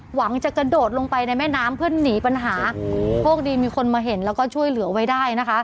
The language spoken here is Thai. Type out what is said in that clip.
หวังจะกระโดดลงไปในแม่น้ำเพื่อหนีปัญหาโชคดีมีคนมาเห็นแล้วก็ช่วยเหลือไว้ได้นะคะ